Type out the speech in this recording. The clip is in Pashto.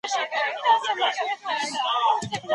د تبعیض مخنیوی ضروري دی.